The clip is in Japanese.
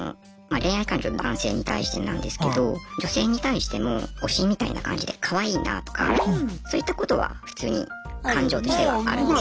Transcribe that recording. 恋愛感情男性に対してなんですけど女性に対しても推しみたいな感じでかわいいなとかそういったことは普通に感情としてはあるんですね。